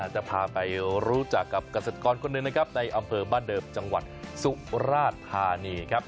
จะพาไปรู้จักกับเกษตรกรคนหนึ่งนะครับในอำเภอบ้านเดิมจังหวัดสุราธานีครับ